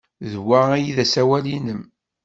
D wa ay d asawal-nnem?